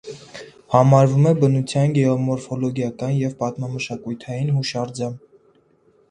Համարվում է բնության գեոմորֆոլոգիական և պատմամշակութային հուշարձան։